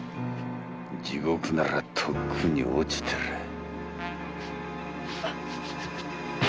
地獄ならとっくに堕ちてらァ！